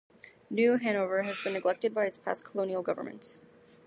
New Hanover had been neglected by its past colonial governments.